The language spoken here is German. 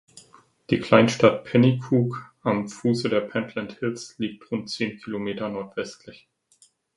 Die Kleinstadt Penicuik am Fuße der Pentland Hills liegt rund zehn Kilometer nordwestlich.